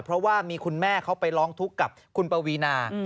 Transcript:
เพราะว่ามีคุณแม่เขาไปร้องทุกข์กับคุณปวีนา